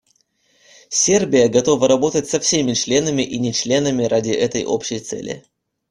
Сербия готова работать со всеми членами и нечленами ради этой общей цели.